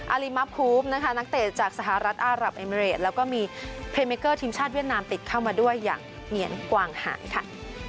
ลิมับคูฟนะคะนักเตะจากสหรัฐอารับเอมิเรดแล้วก็มีเพเมเกอร์ทีมชาติเวียดนามติดเข้ามาด้วยอย่างเหนียนกวางหายค่ะ